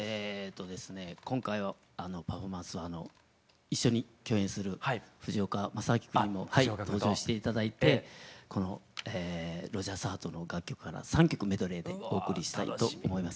今回はパフォーマンスは一緒に共演する藤岡正明君にも登場して頂いてこの「ロジャース／ハート」の楽曲から３曲メドレーでお送りしたいと思います。